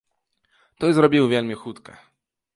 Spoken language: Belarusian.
Той зрабіў вельмі хутка.